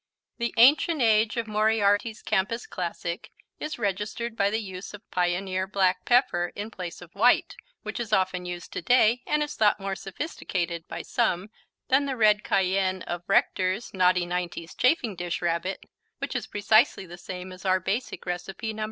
The ancient age of Moriarty's campus classic is registered by the use of pioneer black pepper in place of white, which is often used today and is thought more sophisticated by some than the red cayenne of Rector's Naughty Nineties Chafing Dish Rabbit, which is precisely the same as our Basic Recipe No.